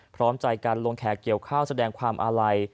พร้อมใจกันลงแขกเกี่ยวข้าวแสดงความอาลัย